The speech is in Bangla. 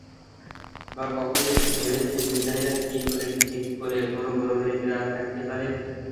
বা কখনো কি ভেবেছেন বিজ্ঞানীরা কী করে ঠিক করে কোন গ্রহে প্রাণ থাকতে পারে?